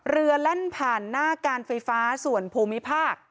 แล่นผ่านหน้าการไฟฟ้าส่วนภูมิภาค